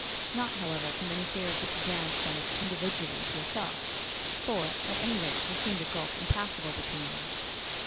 Not, however, from any fear of disadvantage from it individually to herself; for at any rate there seemed a gulf impassable between them.